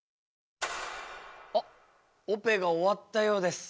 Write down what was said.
あっオペが終わったようです。